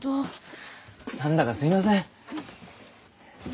何だかすいません。